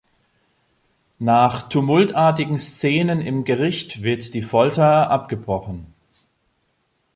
Nach tumultartigen Szenen im Gericht wird die Folter abgebrochen.